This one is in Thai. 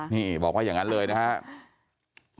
นี่บอกว่าอย่างนั้นเลยนะครับ